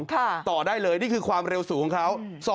ต่อได้เลยนี่คือความเร็วสูงของเขา